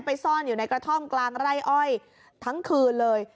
ซ่อนอยู่ในกระท่อมกลางไร่อ้อยทั้งคืนเลย